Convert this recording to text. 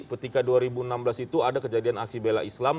ketika dua ribu enam belas itu ada kejadian aksi bela islam